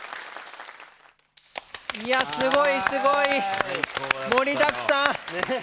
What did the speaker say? いやすごいすごい！盛りだくさん！ね。